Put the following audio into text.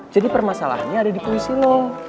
jadi permasalahannya ada di puisi lu